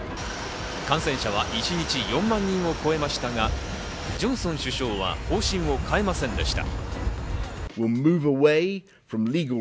感染者は一日４万人を超えましたが、ジョンソン首相は方針を変えませんでした。